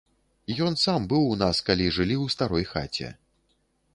Ён сам быў у нас, калі жылі ў старой хаце.